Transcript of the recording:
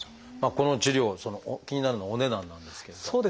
この治療気になるのはお値段なんですけれども。